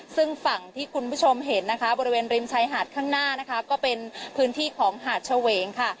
ซึ่งฝั่งที่คุณผู้ชมเห็นนะคะบริเวณริมชายหาดข้างหน้านะคะก็เป็นพื้นที่ของหาดเฉวงค่ะ